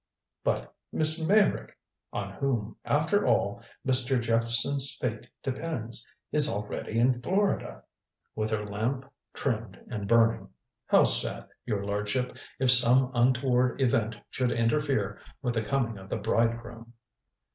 "But Miss Meyrick on whom, after all, Mr. Jephson's fate depends is already in Florida." "With her lamp trimmed and burning. How sad, your lordship, if some untoward event should interfere with the coming of the bridegroom."